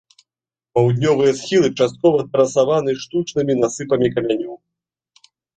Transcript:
Паўднёвыя схілы часткова тэрасаваны штучнымі насыпамі камянёў.